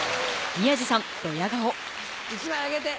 １枚あげて。